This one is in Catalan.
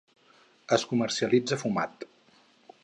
Es comercialitza fumat.